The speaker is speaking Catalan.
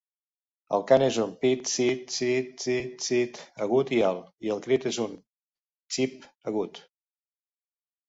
El cant és un "pit-seet-seet-seet-seet" agut i alt, i el crit és un "tsip" agut.